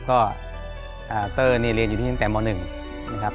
ก็เตอร์นี่เรียนอยู่ที่นี่ตั้งแต่ม๑นะครับ